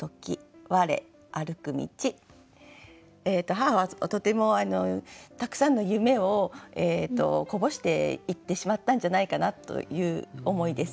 母はとてもたくさんの夢をこぼしていってしまったんじゃないかなという思いです。